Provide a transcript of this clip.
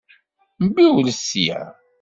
Mbiwlet sya!